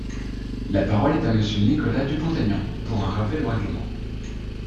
La parole est à Monsieur Nicolas Dupont-Aignan, pour un rappel au règlement.